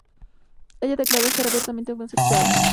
Ella declaró ser abiertamente homosexual.